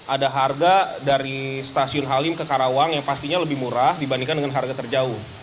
ada harga dari stasiun halim ke karawang yang pastinya lebih murah dibandingkan dengan harga terjauh